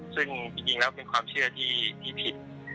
ซึ่งจริงแล้วเป็นความเชื่อที่ผิด